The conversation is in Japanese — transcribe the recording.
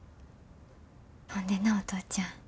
ほんでなお父ちゃん。